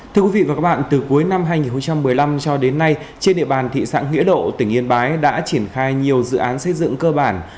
thưa quý vị và các bạn từ cuối năm hai nghìn một mươi năm cho đến nay trên địa bàn thị xã nghĩa lộ tỉnh yên bái đã triển khai nhiều dự án xây dựng cơ bản